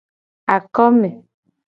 Akome.